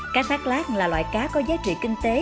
cá thác lát là loại cá có giá trị kinh tế